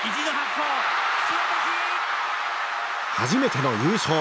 初めての優勝。